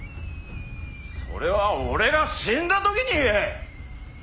それは俺が死んだ時に言え！